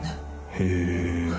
へえ。